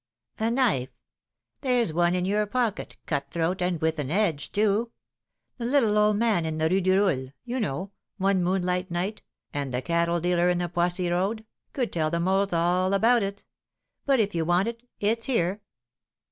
"A knife! there's one in your pocket, cut throat, and with an edge, too. The little old man in the Rue du Roule, you know, one moonlight night, and the cattle dealer in the Poissy road, could tell the 'moles' all about it. But if you want it, it's here."